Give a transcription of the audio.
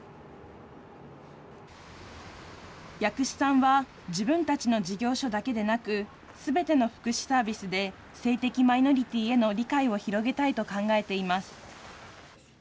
藥師さんは、自分たちの事業所だけではなく、すべての福祉サービスで性的マイノリティーへの理解を広げたいと考えています。